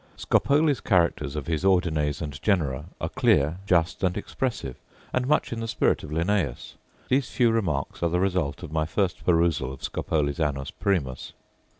Scopoli's characters of his ordines and genera are clear, just, and expressive, and much in the spirit of Linnaeus. These few remarks are the result of my first perusal of Scopoli's Annus Primus.